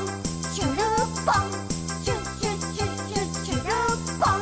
しゅるっぽん！」